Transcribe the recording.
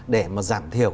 để mà giảm thiểu